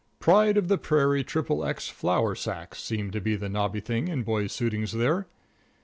Pride of the Prairie XXX flour sacks seemed to be the nobby thing in boys' suitings there.